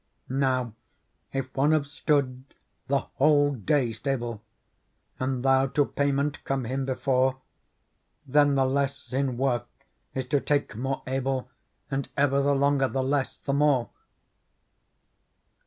^ Now, if one have stood the whole day stable. And thou to payment come him before. Then the less in work is to take more able ; And ever the longer, the less the more."